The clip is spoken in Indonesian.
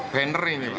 banner ini pak